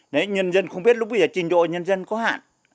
đấy nhân dân không biết lúc bây giờ trình độ nhân dân có hạn